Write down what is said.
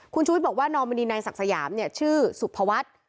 คุณชูวิทย์บอกว่านอมณีนายศักดิ์สยามชื่อสุภวัฒน์